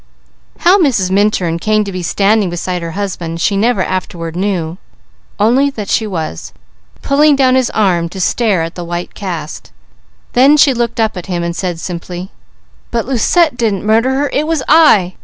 How Mrs. Minturn came to be standing beside her husband, she never afterward knew; only that she was, pulling down his arm to stare at the white cast. Then she looked up at him and said simply: "But Lucette didn't murder her; it was I.